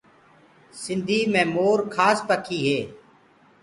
سنڌي مي مور کاس پکي هي۔